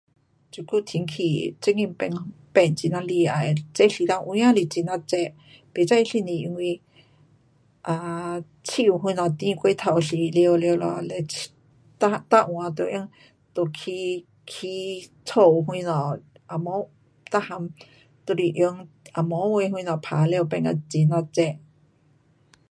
这就天气正经变，变很的厉害。热时头有真是很呀热，不是是不因为 um 树什么砍过头多了了咯嘞每,每位都起，起家什么，红毛每样都是用红毛灰什么打了变到很呀热。